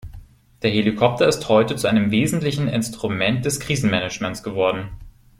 Der Helikopter ist heute zu einem wesentlichen Instrument des Krisenmanagements geworden.